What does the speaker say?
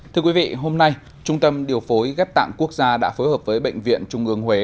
thưa quý vị hôm nay trung tâm điều phối ghép tạng quốc gia đã phối hợp với bệnh viện trung ương huế